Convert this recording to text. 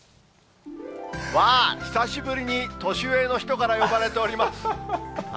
うわぁ、久しぶりに年上の人から呼ばれております。